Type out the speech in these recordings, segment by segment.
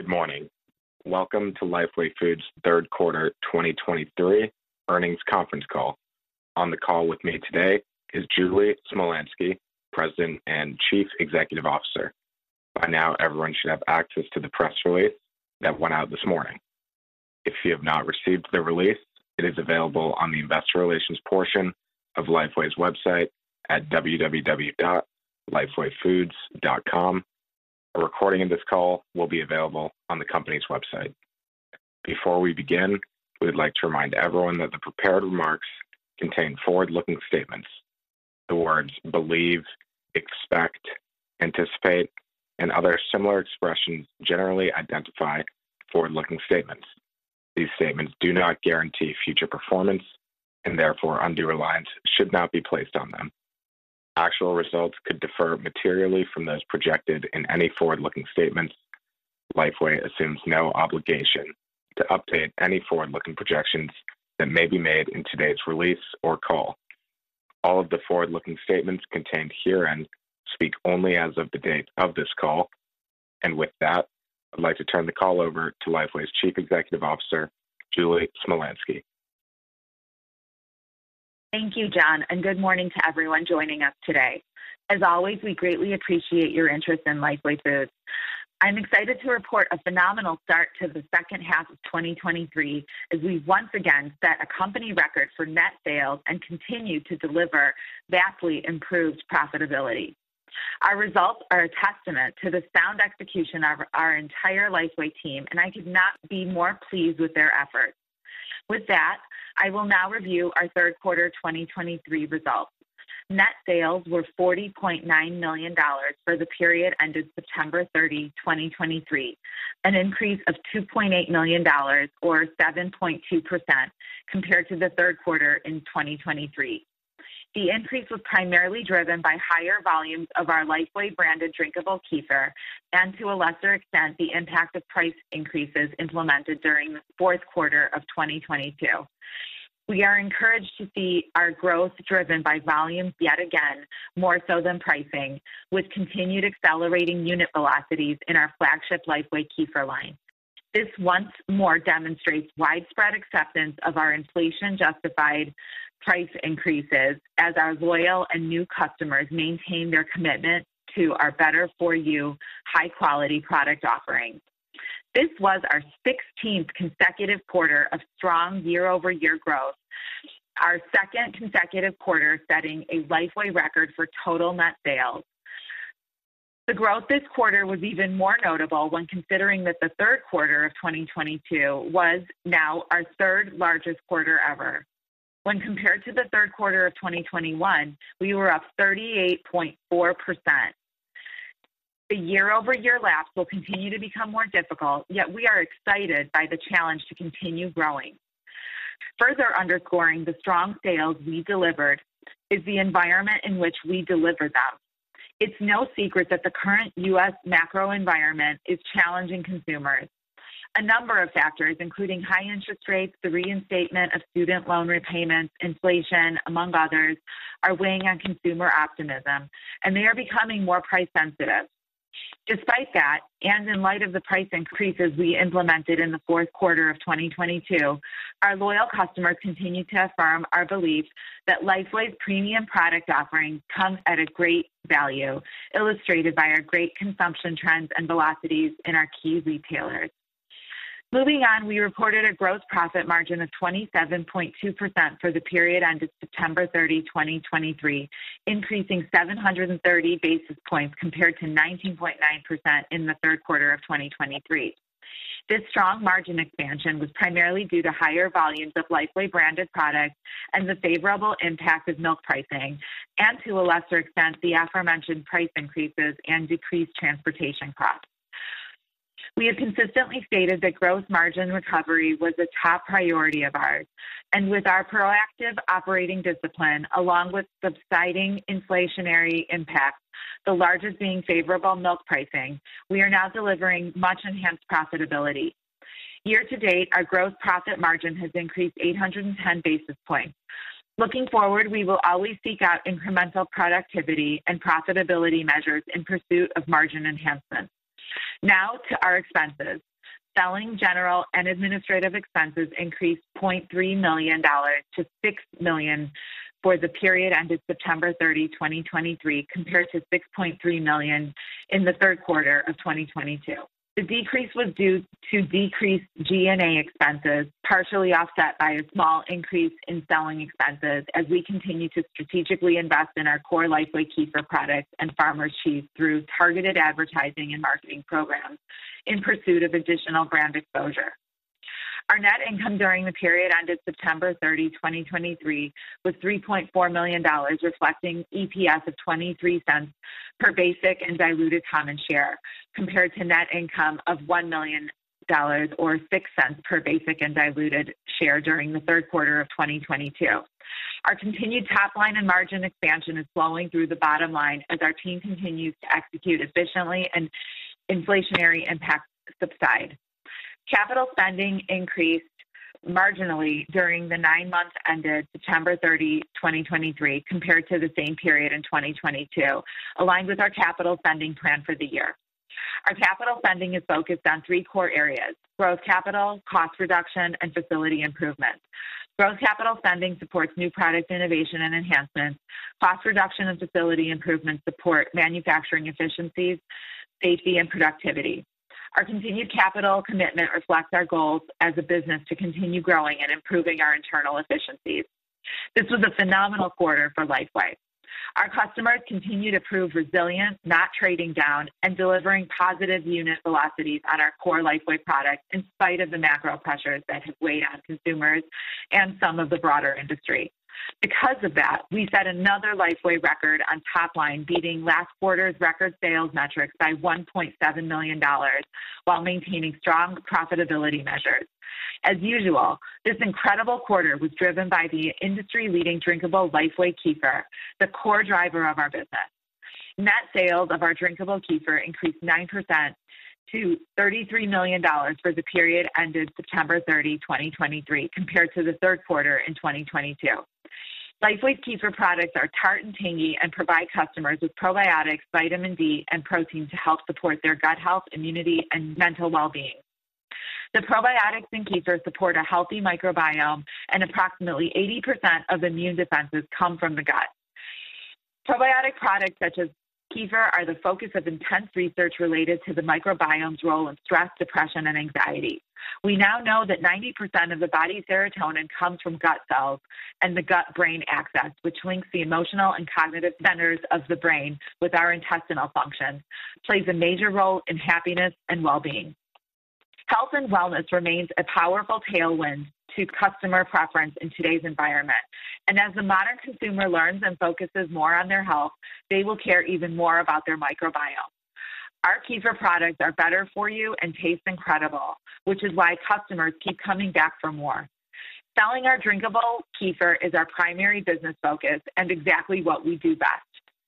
Good morning. Welcome to Lifeway Foods' Q3 2023 Earnings Conference Call. On the call with me today is Julie Smolyansky, President and Chief Executive Officer. By now, everyone should have access to the press release that went out this morning. If you have not received the release, it is available on the investor relations portion of Lifeway's website at www.lifewayfoods.com. A recording of this call will be available on the company's website. Before we begin, we'd like to remind everyone that the prepared remarks contain forward-looking statements. The words believe, expect, anticipate, and other similar expressions generally identify forward-looking statements. These statements do not guarantee future performance, and therefore, undue reliance should not be placed on them. Actual results could differ materially from those projected in any forward-looking statements. Lifeway assumes no obligation to update any forward-looking projections that may be made in today's release or call. All of the forward-looking statements contained herein speak only as of the date of this call. With that, I'd like to turn the call over to Lifeway's Chief Executive Officer, Julie Smolyansky. Thank you, John, and good morning to everyone joining us today. As always, we greatly appreciate your interest in Lifeway Foods. I'm excited to report a phenomenal start to the second half of 2023, as we once again set a company record for net sales and continue to deliver vastly improved profitability. Our results are a testament to the sound execution of our entire Lifeway team, and I could not be more pleased with their efforts. With that, I will now review our Q3 2023 results. Net sales were $40.9 million for the period ended September 30, 2023, an increase of $2.8 million or 7.2% compared to the Q3 in 2023. The increase was primarily driven by higher volumes of our Lifeway-branded drinkable kefir and, to a lesser extent, the impact of price increases implemented during the Q4 of 2022. We are encouraged to see our growth driven by volumes yet again, more so than pricing, with continued accelerating unit velocities in our flagship Lifeway Kefir line. This once more demonstrates widespread acceptance of our inflation-justified price increases as our loyal and new customers maintain their commitment to our better-for-you, high-quality product offerings. This was our 16th consecutive quarter of strong year-over-year growth, our second consecutive quarter, setting a Lifeway record for total net sales. The growth this quarter was even more notable when considering that the Q3 of 2022 was now our third largest quarter ever. When compared to the Q3 of 2021, we were up 38.4%. The year-over-year laps will continue to become more difficult, yet we are excited by the challenge to continue growing. Further underscoring the strong sales we delivered is the environment in which we delivered them. It's no secret that the current U.S. macro environment is challenging consumers. A number of factors, including high interest rates, the reinstatement of student loan repayments, inflation, among others, are weighing on consumer optimism, and they are becoming more price-sensitive. Despite that, and in light of the price increases we implemented in the Q4 of 2022, our loyal customers continue to affirm our belief that Lifeway's premium product offerings come at a great value, illustrated by our great consumption trends and velocities in our key retailers. Moving on, we reported a gross profit margin of 27.2% for the period ended September 30, 2023, increasing 730 basis points compared to 19.9% in the Q3 of 2023. This strong margin expansion was primarily due to higher volumes of Lifeway-branded products and the favorable impact of milk pricing, and to a lesser extent, the aforementioned price increases and decreased transportation costs. We have consistently stated that gross margin recovery was a top priority of ours, and with our proactive operating discipline, along with subsiding inflationary impacts, the largest being favorable milk pricing, we are now delivering much enhanced profitability. Year to date, our gross profit margin has increased 810 basis points. Looking forward, we will always seek out incremental productivity and profitability measures in pursuit of margin enhancements. Now to our expenses. Selling, general, and administrative expenses increased $0.3 million to $6 million for the period ended September 30, 2023, compared to $6.3 million in the Q3 of 2022. The decrease was due to decreased G&A expenses, partially offset by a small increase in selling expenses as we continue to strategically invest in our core Lifeway Kefir products and Farmer Cheese through targeted advertising and marketing programs in pursuit of additional brand exposure. Our net income during the period ended September 30, 2023, was $3.4 million, reflecting EPS of $0.23 per basic and diluted common share, compared to net income of $1 million, or $0.06 per basic and diluted share during the Q3 of 2022. Our continued top line and margin expansion is flowing through the bottom line as our team continues to execute efficiently and inflationary impacts subside. Capital spending increased marginally during the nine months ended September 30, 2023, compared to the same period in 2022, aligned with our capital spending plan for the year. Our capital spending is focused on three core areas: growth capital, cost reduction, and facility improvements. Growth capital spending supports new product innovation and enhancements. Cost reduction and facility improvements support manufacturing efficiencies, safety, and productivity. Our continued capital commitment reflects our goals as a business to continue growing and improving our internal efficiencies. This was a phenomenal quarter for Lifeway. Our customers continue to prove resilient, not trading down and delivering positive unit velocities on our core Lifeway products, in spite of the macro pressures that have weighed on consumers and some of the broader industry. Because of that, we set another Lifeway record on top line, beating last quarter's record sales metrics by $1.7 million, while maintaining strong profitability measures. As usual, this incredible quarter was driven by the industry-leading drinkable Lifeway Kefir, the core driver of our business. Net sales of our drinkable kefir increased 9% to $33 million for the period ended September 30, 2023, compared to the Q3 in 2022. Lifeway Kefir products are tart and tangy and provide customers with probiotics, vitamin D, and protein to help support their gut health, immunity, and mental well-being. The probiotics in kefir support a healthy microbiome, and approximately 80% of immune defenses come from the gut. Probiotic products such as kefir are the focus of intense research related to the microbiome's role in stress, depression, and anxiety. We now know that 90% of the body's serotonin comes from gut cells, and the gut-brain axis, which links the emotional and cognitive centers of the brain with our intestinal function, plays a major role in happiness and well-being. Health and wellness remains a powerful tailwind to customer preference in today's environment, and as the modern consumer learns and focuses more on their health, they will care even more about their microbiome. Our kefir products are better for you and taste incredible, which is why customers keep coming back for more. Selling our drinkable kefir is our primary business focus and exactly what we do best.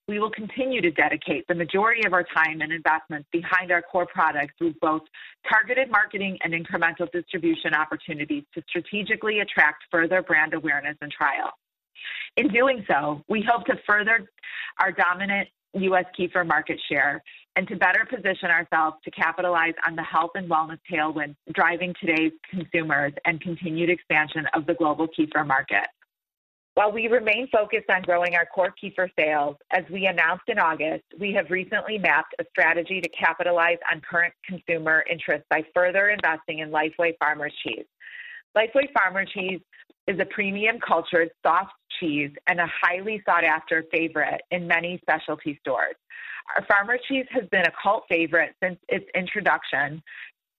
We will continue to dedicate the majority of our time and investments behind our core products through both targeted marketing and incremental distribution opportunities to strategically attract further brand awareness and trial. In doing so, we hope to further our dominant U.S. kefir market share and to better position ourselves to capitalize on the health and wellness tailwind, driving today's consumers and continued expansion of the global kefir market. While we remain focused on growing our core kefir sales, as we announced in August, we have recently mapped a strategy to capitalize on current consumer interest by further investing in Lifeway Farmer Cheese. Lifeway Farmer Cheese is a premium cultured soft cheese and a highly sought-after favorite in many specialty stores. Our Farmer Cheese has been a cult favorite since its introduction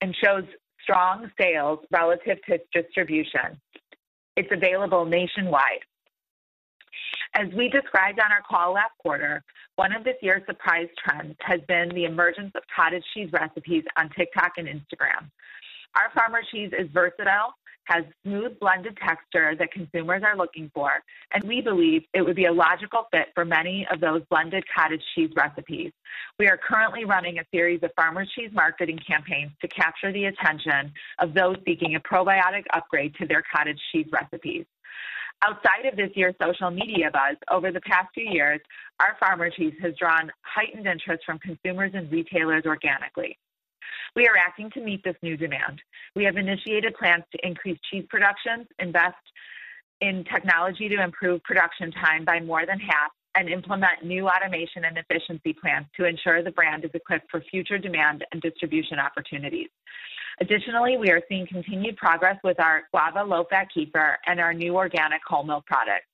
and shows strong sales relative to distribution. It's available nationwide. As we described on our call last quarter, one of this year's surprise trends has been the emergence of cottage cheese recipes on TikTok and Instagram. Our Farmer Cheese is versatile, has smooth, blended texture that consumers are looking for, and we believe it would be a logical fit for many of those blended cottage cheese recipes. We are currently running a series of Farmer Cheese marketing campaigns to capture the attention of those seeking a probiotic upgrade to their cottage cheese recipes. Outside of this year's social media buzz, over the past few years, our Farmer Cheese has drawn heightened interest from consumers and retailers organically. We are acting to meet this new demand. We have initiated plans to increase cheese production, invest in technology to improve production time by more than half, and implement new automation and efficiency plans to ensure the brand is equipped for future demand and distribution opportunities. Additionally, we are seeing continued progress with our Guava Lowfat Kefir and our new organic whole milk products.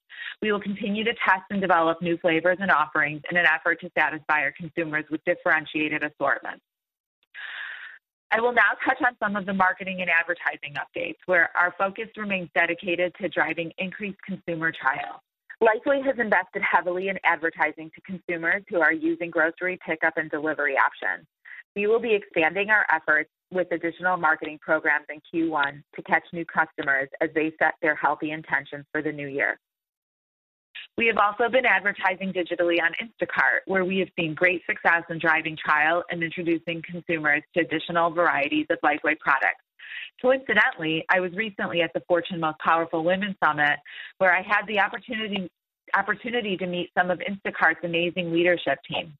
We will continue to test and develop new flavors and offerings in an effort to satisfy our consumers with differentiated assortments. I will now touch on some of the marketing and advertising updates, where our focus remains dedicated to driving increased consumer trial. Lifeway has invested heavily in advertising to consumers who are using grocery pickup and delivery options. We will be expanding our efforts with additional marketing programs in Q1 to catch new customers as they set their healthy intentions for the new year. We have also been advertising digitally on Instacart, where we have seen great success in driving trial and introducing consumers to additional varieties of Lifeway products. Coincidentally, I was recently at the Fortune Most Powerful Women Summit, where I had the opportunity to meet some of Instacart's amazing leadership team.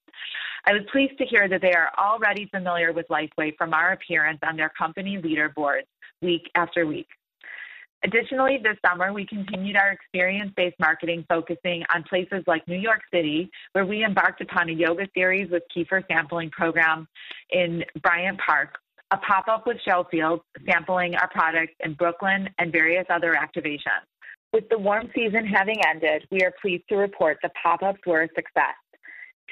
I was pleased to hear that they are already familiar with Lifeway from our appearance on their company leaderboard week after week. Additionally, this summer, we continued our experience-based marketing, focusing on places like New York City, where we embarked upon a yoga series with kefir sampling program in Bryant Park, a pop-up with Showfields, sampling our products in Brooklyn and various other activations. With the warm season having ended, we are pleased to report the pop-ups were a success.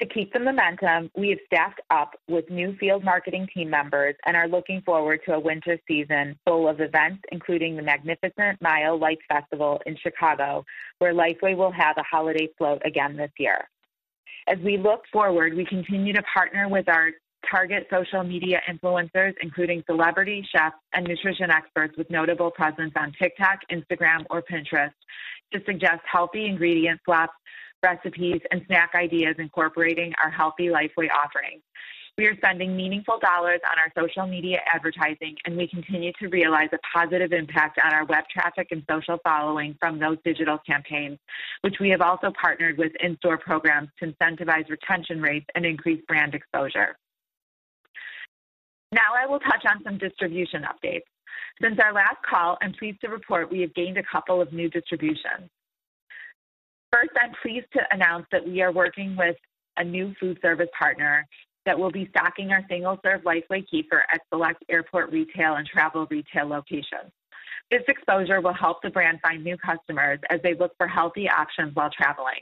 To keep the momentum, we have staffed up with new field marketing team members and are looking forward to a winter season full of events, including the Magnificent Mile Lights Festival in Chicago, where Lifeway will have a holiday float again this year. As we look forward, we continue to partner with our target social media influencers, including celebrity chefs and nutrition experts with notable presence on TikTok, Instagram, or Pinterest.... to suggest healthy ingredient swaps, recipes, and snack ideas incorporating our healthy Lifeway offerings. We are spending meaningful dollars on our social media advertising, and we continue to realize a positive impact on our web traffic and social following from those digital campaigns, which we have also partnered with in-store programs to incentivize retention rates and increase brand exposure. Now I will touch on some distribution updates. Since our last call, I'm pleased to report we have gained a couple of new distributions. First, I'm pleased to announce that we are working with a new food service partner that will be stocking our single-serve Lifeway Kefir at select airport retail and travel retail locations. This exposure will help the brand find new customers as they look for healthy options while traveling.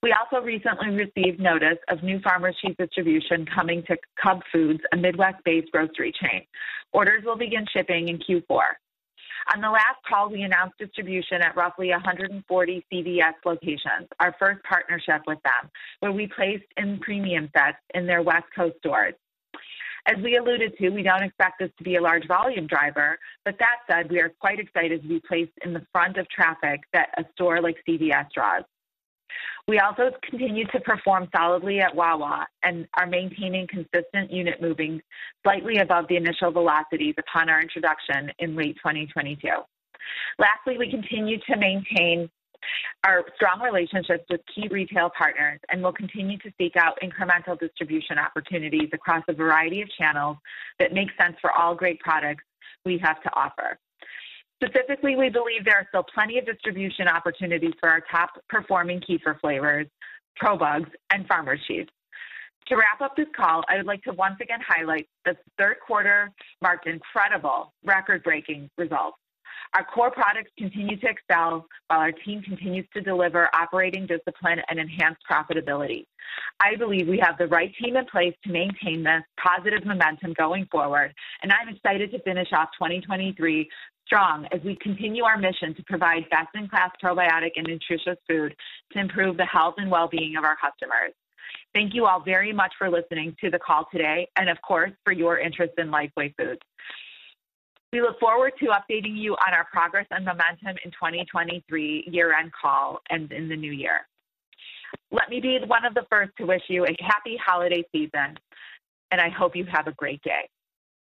We also recently received notice of new Farmer Cheese distribution coming to Cub, a Midwest-based grocery chain. Orders will begin shipping in Q4. On the last call, we announced distribution at roughly 140 CVS locations, our first partnership with them, where we placed in premium sets in their West Coast stores. As we alluded to, we don't expect this to be a large volume driver, but that said, we are quite excited to be placed in the front of traffic that a store like CVS draws. We also have continued to perform solidly at Wawa and are maintaining consistent unit moving slightly above the initial velocities upon our introduction in late 2022. Lastly, we continue to maintain our strong relationships with key retail partners and will continue to seek out incremental distribution opportunities across a variety of channels that make sense for all great products we have to offer. Specifically, we believe there are still plenty of distribution opportunities for our top-performing kefir flavors, ProBugs, and Farmer Cheese. To wrap up this call, I would like to once again highlight the Q3 marked incredible record-breaking results. Our core products continue to excel while our team continues to deliver operating discipline and enhanced profitability. I believe we have the right team in place to maintain this positive momentum going forward, and I'm excited to finish off 2023 strong as we continue our mission to provide best-in-class probiotic and nutritious food to improve the health and well-being of our customers. Thank you all very much for listening to the call today, and of course, for your interest in Lifeway Foods. We look forward to updating you on our progress and momentum in 2023 year-end call and in the new year. Let me be one of the first to wish you a happy holiday season, and I hope you have a great day.